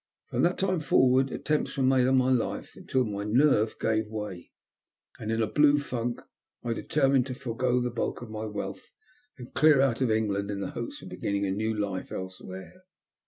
From that time forward attempts were i my life until my nerve gave way — and in funk I determined to forego the bulk of m] and clear out of England in the hopes of b a new life elsewhere."